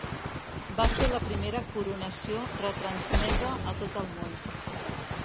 Va ser la primera coronació retransmesa a tot el món.